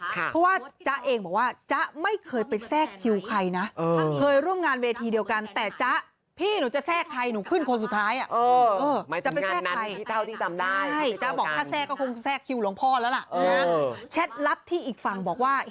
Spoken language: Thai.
เพราะว่าจ๊ะเองบอกว่าจ๊ะไม่เคยไปแทรกคิวใครนะ